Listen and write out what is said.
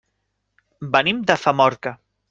Venim de Famorca.